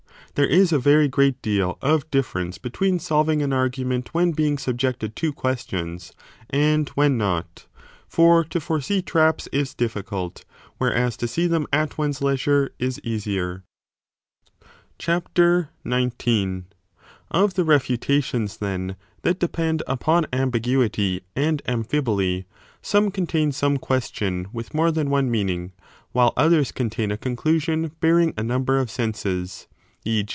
2 There is a very great deal of difference between solving an argument when being subjected to questions and when not : for to foresee traps is difficult, whereas to see them at one s leisure is easier. 19 Of the refutations, then, that depend upon ambiguity and amphiboly some contain some question with more than one 10 meaning, while others contain a conclusion bearing a number of senses : e.